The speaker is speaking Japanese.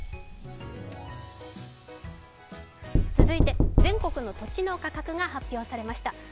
続いて全国の土地の価格が発表されました。